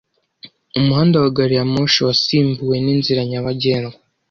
Umuhanda wa gari ya moshi wasimbuwe ninzira nyabagendwa.